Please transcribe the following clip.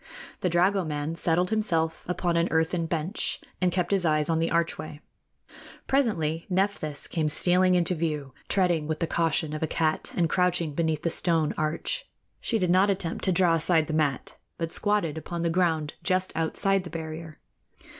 The dragoman settled himself upon an earthen bench and kept his eyes on the archway. Presently Nephthys came stealing into view, treading with the caution of a cat and crouching low beneath the stone arch. She did not attempt to draw aside the mat, but squatted upon the ground just outside the barrier.